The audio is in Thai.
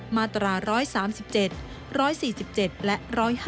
มาตรา๑๓๗๑๔๗และ๑๕